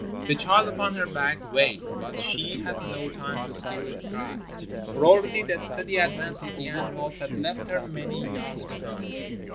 The child upon her back wailed, but she had no time to still its cries, for already the steady advance of the animals had left her many yards behind.